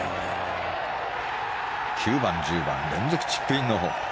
９番、１０番、連続チップイン。